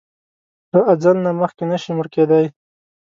له اځل نه مخکې نه شې مړ کیدای!